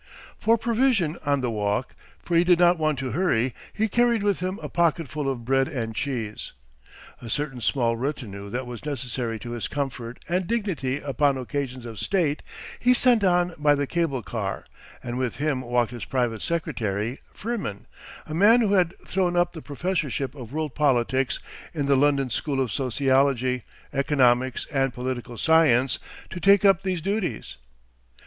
For provision on the walk, for he did not want to hurry, he carried with him a pocketful of bread and cheese. A certain small retinue that was necessary to his comfort and dignity upon occasions of state he sent on by the cable car, and with him walked his private secretary, Firmin, a man who had thrown up the Professorship of World Politics in the London School of Sociology, Economics, and Political Science, to take up these duties.